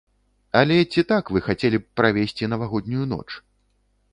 Але ці так вы хацелі б правесці навагоднюю ноч?